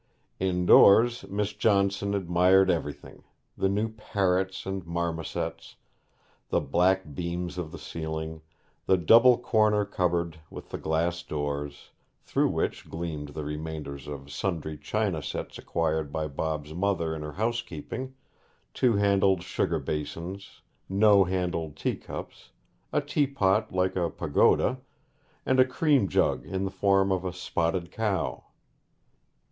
Indoors, Miss Johnson admired everything: the new parrots and marmosets, the black beams of the ceiling, the double corner cupboard with the glass doors, through which gleamed the remainders of sundry china sets acquired by Bob's mother in her housekeeping two handled sugar basins, no handled tea cups, a tea pot like a pagoda, and a cream jug in the form of a spotted cow.